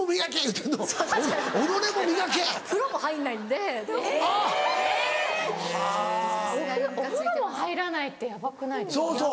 お風呂も入らないってヤバくないですか？